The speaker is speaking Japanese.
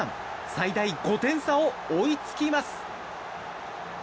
最大５点差を追いつきます！